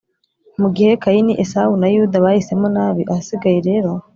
mu gihe Kayini Esawu na Yuda bahisemo nabi Ahasigaye rero